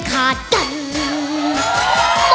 โมโฮโมโฮโมโฮ